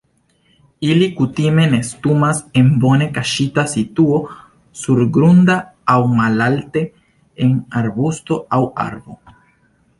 Ili kutime nestumas en bone kaŝita situo surgrunda aŭ malalte en arbusto aŭ arbo.